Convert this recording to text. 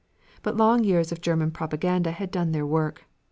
But long years of German propaganda had done their work.